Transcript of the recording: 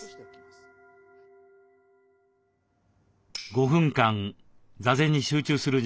５分間座禅に集中する時間。